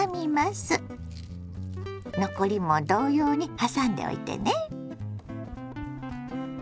残りも同様にはさんでおいてね。